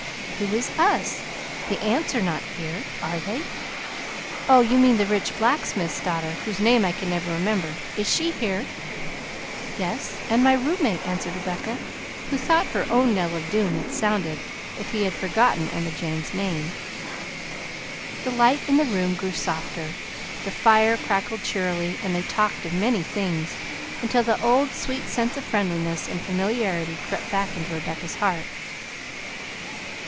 "Who is 'us'? The aunts are not here, are they? Oh, you mean the rich blacksmith's daughter, whose name I can never remember. Is she here?" "Yes, and my room mate," answered Rebecca, who thought her own knell of doom had sounded, if he had forgotten Emma Jane's name. The light in the room grew softer, the fire crackled cheerily, and they talked of many things, until the old sweet sense of friendliness and familiarity crept back into Rebecca's heart.